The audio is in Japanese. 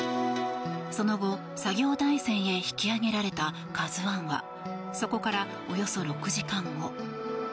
その後、作業台船へ引き揚げられた「ＫＡＺＵ１」はそこからおよそ６時間後。